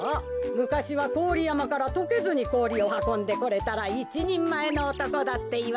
むかしはこおりやまからとけずにこおりをはこんでこれたらいちにんまえのおとこだっていわれたものだよ。